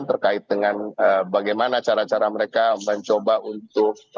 terkait dengan bagaimana cara cara mereka mencoba untuk